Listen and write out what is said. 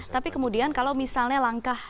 tapi kemudian kalau misalnya langkah